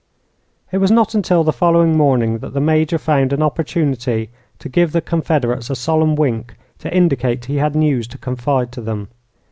It was not until the following morning that the Major found an opportunity to give the confederates a solemn wink to indicate he had news to confide to them.